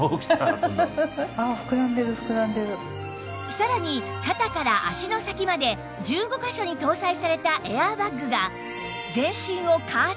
さらに肩から脚の先まで１５カ所に搭載されたエアーバッグが